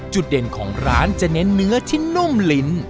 จุดเด่นของร้านจะเน้นเนื้อที่นุ่มลิ้น